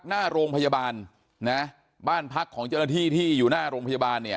หน้าโรงพยาบาลนะบ้านพักของเจ้าหน้าที่ที่อยู่หน้าโรงพยาบาลเนี่ย